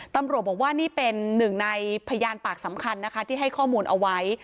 ตำรวจบอกว่านี่เป็นหนึ่งในพยานปากสำคัญนะคะที่ให้ข้อมูลเอาไว้